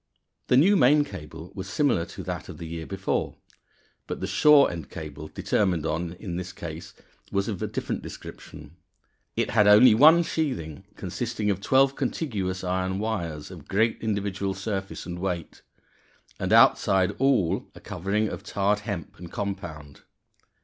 _ The new main cable was similar to that of the year before, but the shore end cable determined on in this case was of a different description. It had only one sheathing, consisting of twelve contiguous iron wires of great individual surface and weight; and outside all a covering of tarred hemp and compound.